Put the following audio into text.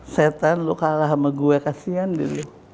setan lo kalah sama gue kasian dulu